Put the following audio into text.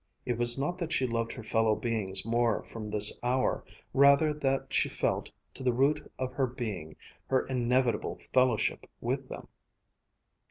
It was not that she loved her fellow beings more from this hour, rather that she felt, to the root of her being, her inevitable fellowship with them.